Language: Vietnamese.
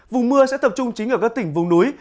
vùng mưa sẽ tập trung chính ở các tỉnh vùng núi